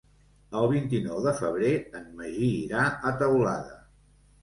El vint-i-nou de febrer en Magí irà a Teulada.